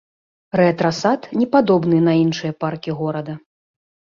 Рэтра-сад не падобны на іншыя паркі горада.